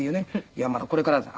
「いやまだこれからです」